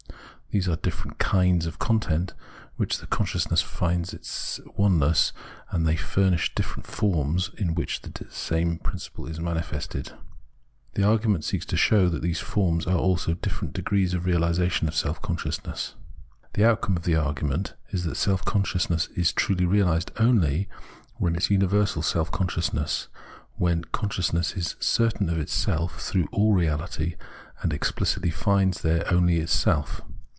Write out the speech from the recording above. These are different kinds of content with which consciousness is to find its oneness, and they furnish different forms in which the same principle is manifested. The argument seeks to show that these forms are also different degrees of realisation of self consciousness. The outcome of the argument is that self consciousness is truly realised only when it is universal self consciousness, when con sciousness is certain of itself throughout all reality, and explicitly finds there only itself.